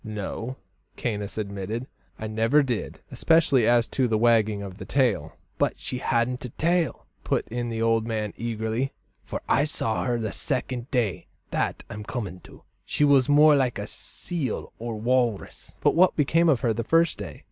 "No," Caius admitted, "I never did especially as to the wagging of the tail." "But she hadn't a tail!" put in the old man eagerly, "for I saw her the second day that I'm coming to. She was more like a seal or walrus." "But what became of her the first day?"